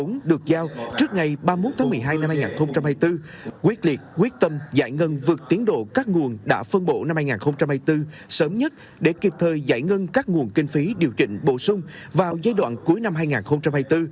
bộ công an được giao trước ngày ba mươi một tháng một mươi hai năm hai nghìn hai mươi bốn quyết liệt quyết tâm giải ngân vượt tiến độ các nguồn đã phân bộ năm hai nghìn hai mươi bốn sớm nhất để kịp thời giải ngân các nguồn kinh phí điều chỉnh bổ sung vào giai đoạn cuối năm hai nghìn hai mươi bốn